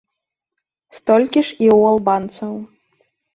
Столькі ж і ў албанцаў.